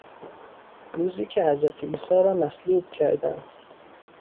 روزی که حضرت عیسی را مصلوب کردند